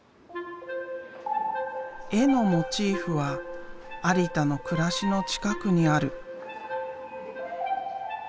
絵のモチーフは有田の暮らしの近くにある。